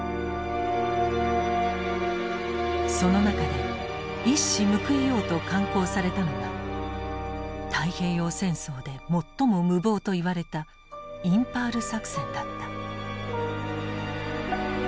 その中で一矢報いようと敢行されたのが太平洋戦争で最も無謀といわれたインパール作戦だった。